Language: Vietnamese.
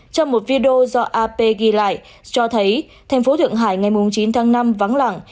trong một video do ap ghi lại cho thấy thành phố thượng hải ngày chín tháng năm